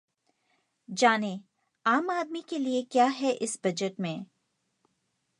जानें, आम आदमी के लिए क्या है इस बजट में